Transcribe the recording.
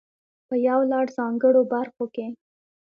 په يو لړ ځانګړو برخو کې.